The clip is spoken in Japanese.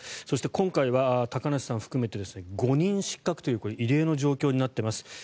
そして今回は高梨さん含めて５人失格という異例の状況になっています。